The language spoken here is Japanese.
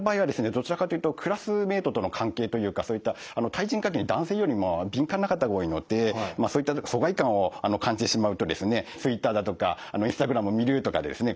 どちらかというとクラスメートとの関係というかそういった対人関係に男性よりも敏感な方が多いのでそういった疎外感を感じてしまうとですねＴｗｉｔｔｅｒだとかＩｎｓｔａｇｒａｍを見るとかでですね